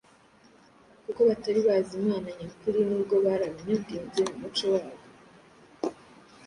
kuko batari bazi Imana nyakuri nubwo bari abanyabwenge mu muco wabo.